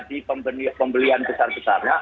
terjadi pembelian besar besarnya